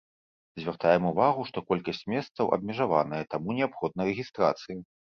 Звяртаем увагу, што колькасць месцаў абмежаваная, таму неабходна рэгістрацыя.